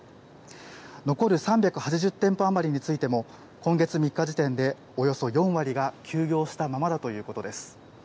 残る３８０店舗余りについても、今月３日時点で、およそ４割が休業したままだということです。